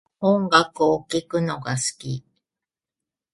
私は音楽を聴くのが好き